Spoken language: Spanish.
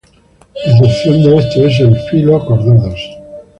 Excepción de esto es el Filo Cordados.